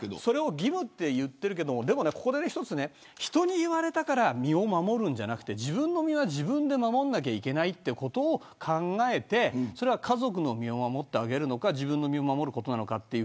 義務と言っているけどここで一つ人に言われたから身を守るんじゃなくて自分の身は自分で守らなきゃいけないということを考えて家族を守ってあげるのか自分を守るのか。